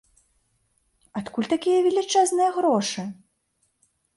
Адкуль такія велічэзныя грошы?